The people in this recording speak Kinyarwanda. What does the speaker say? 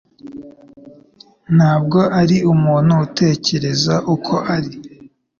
Ntabwo ari umuntu utekereza ko ari.